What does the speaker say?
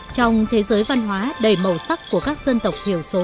trong thế giới văn hóa đầy màu sắc của các dân tộc thiểu số